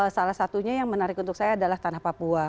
salah satunya yang menarik untuk saya adalah tanah papua